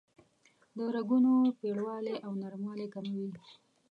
د رګونو پیړوالی او نرموالی کموي.